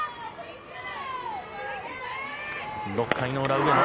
６回の裏上野。